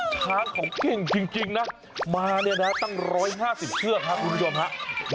ช้างของเก่งจริงน่ะมาเนี่ยตั้ง๑๕๐เสื้อค่ะคุณผู้ชม